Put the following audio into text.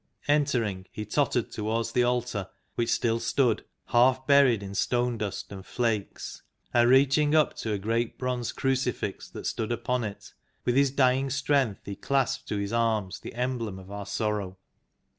Entering, he tottered towards the altar, which still stood, half buried in stone dust and flakes; and reach ing up to a great bronze Crucifix that stood upon it, with his dying strength he clasped to his arms the Emblem of our Sorrow.